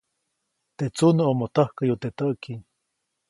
Teʼ tsunuʼomo täjkäyu teʼ täʼki.